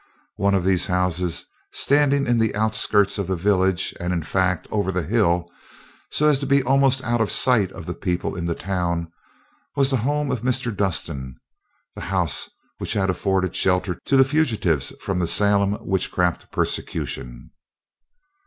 One of these houses, standing in the outskirts of the village and, in fact, over the hill, so as to be almost out of sight of the people in the town, was the home of Mr. Dustin, the house which had afforded shelter to the fugitives from the Salem witchcraft persecution.